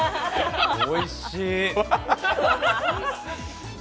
おいしい。